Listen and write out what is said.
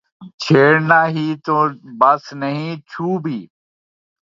چھیڑنا ہی تو بس نہیں چھو بھی